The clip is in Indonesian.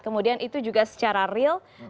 kemudian itu juga secara real